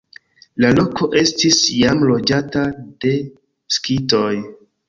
La loko estis jam loĝata de skitoj.